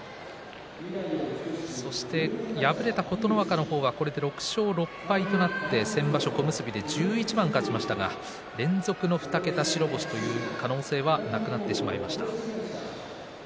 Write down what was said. そして敗れた琴ノ若はこれで６勝６敗となって先場所小結で１１番勝ちましたが連続の２桁白星の可能性はなくなってしまいました。